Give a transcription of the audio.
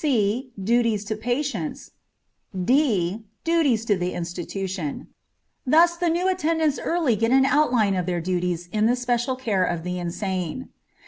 c. Duties to patients. d. Duties to the institution. Thus the new attendants early get an outline of their duties in the special care of the insane.